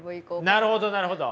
なるほどなるほど。